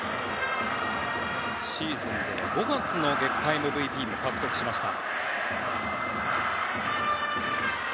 シーズンでは５月の月間ＭＶＰも獲得しました。